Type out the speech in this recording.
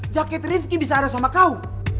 jaket rifki bisa ada sama kau